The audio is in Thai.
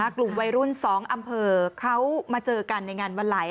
กลุ่มวัยรุ่น๒อำเภอเขามาเจอกันในงานวันไหล